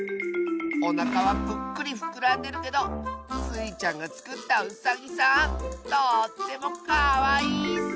おなかはプックリふくらんでるけどスイちゃんがつくったウサギさんとってもかわいいッス！